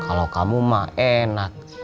kalau kamu mah enak